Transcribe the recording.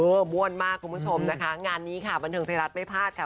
ม่วนมากคุณผู้ชมนะคะงานนี้ค่ะบันเทิงไทยรัฐไม่พลาดค่ะ